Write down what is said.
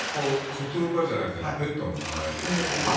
言葉じゃなくてペットの名前ですよね。